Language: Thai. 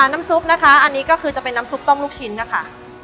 น้ำซุปนะคะอันนี้ก็คือจะเป็นน้ำซุปต้มลูกชิ้นนะคะ